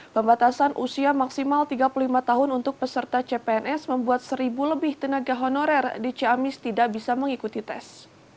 pembatasan usia maksimal tiga puluh lima tahun untuk peserta cpns membuat seribu lebih tenaga honorer di ciamis tidak bisa mengikuti tes